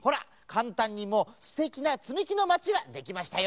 かんたんにもうすてきなつみきのまちができましたよ。